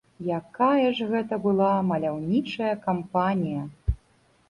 Якая ж гэта была маляўнічая кампанія!